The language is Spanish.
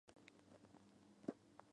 Se trata de los fonemas.